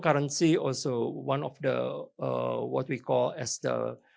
kripto adalah salah satu